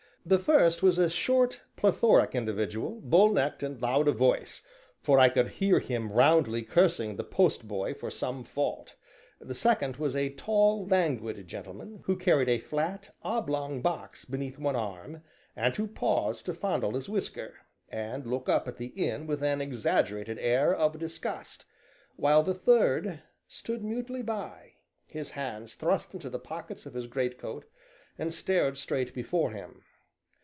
The first was a short, plethoric individual, bull necked and loud of voice, for I could hear him roundly cursing the post boy for some fault; the second was a tall, languid gentleman, who carried a flat, oblong box beneath one arm, and who paused to fondle his whisker, and look up at the inn with an exaggerated air of disgust; while the third stood mutely by, his hands thrust into the pockets of his greatcoat, and stared straight before him.